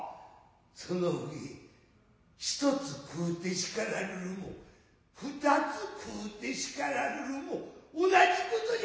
その上一つ食うて叱らるるも二つ食うて叱らるるも同じことじゃ。